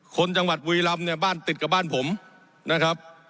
คนจังหวัดบุรีรำเนี่ยบ้านติดกับบ้านผมนะครับ